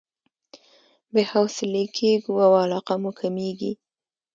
بې حوصلې کېږو او علاقه مو کميږي.